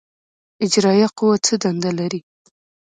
اجرائیه قوه څه دنده لري؟